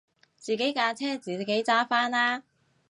自己架車自己揸返啦